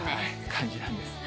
感じなんです。